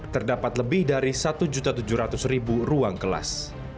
terdapat lebih dari satu tujuh ratus ruang kelas